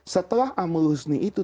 setelah amrul husni itu